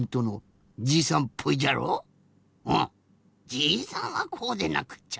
じいさんはこうでなくっちゃ。